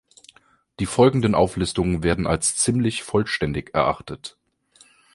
Die folgenden Auflistungen werden als ziemlich vollständig erachtet.